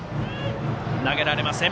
投げられません。